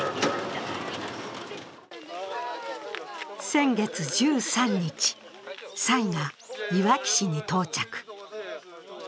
先月１３日、蔡がいわき市に到着。